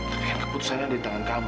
tapi kan keputusannya ada di tangan kamu